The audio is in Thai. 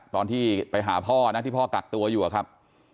ตอนที่ไปหาพ่อนะที่พ่อกักตัวอยู่อะครับ